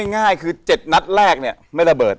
ง่ายคือ๗นัดแรกเนี่ยไม่ระเบิด